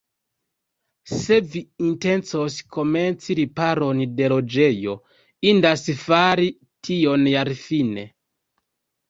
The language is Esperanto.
Se vi intencos komenci riparon de loĝejo, indas fari tion jarfine.